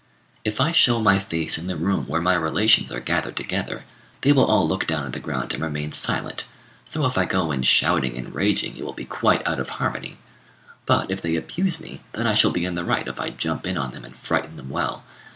] "If I show my face in the room where my relations are gathered together, they will all look down on the ground and remain silent; so if I go in shouting and raging, it will be quite out of harmony; but if they abuse me, then I shall be in the right if I jump in on them and frighten them well.